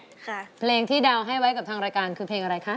เพลงที่ดาวให้ไว้กับทางรายการคือเพลงอะไรคะ